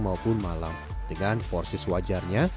maupun malam dengan porsi sewajarnya